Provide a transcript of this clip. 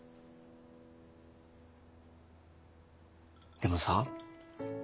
でもさ。